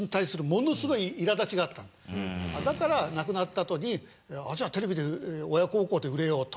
だから亡くなったあとにじゃあテレビで親孝行で売れようと。